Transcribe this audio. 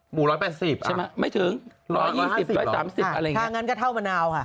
๑๘๐ใช่ไหมไม่ถึง๑๒๐๑๓๐อะไรอย่างนี้ถ้างั้นก็เท่ามะนาวค่ะ